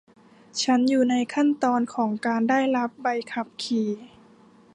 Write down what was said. ฉันอยู่ในขั้นตอนของการได้รับใบขับขี่